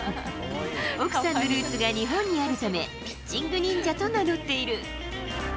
奥さんのルーツが日本にあるため、ピッチングニンジャと名乗っている。